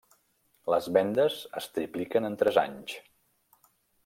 Les vendes es tripliquen en tres anys.